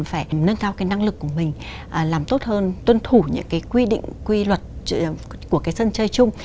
phải nâng cao cái năng lực của mình làm tốt hơn tuân thủ những cái quy định quy luật của cái sân chơi chung